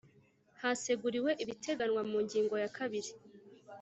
Haseguriwe ibiteganywa mungingo ya kabiiri